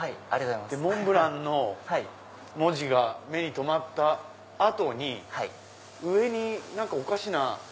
モンブランの文字が目に留まった後に上におかしな。